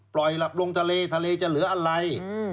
หลับลงทะเลทะเลจะเหลืออะไร